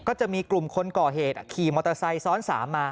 ก็จะมีกลุ่มคนก่อเหตุขี่มอเตอร์ไซค์ซ้อน๓มา